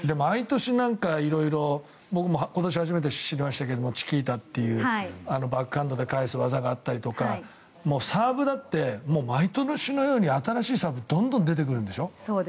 僕も知りましたけどチキータというバックハンドで返す技があったりとかサーブだって毎年のように新しいサーブがどんどん出てくるんでしょ。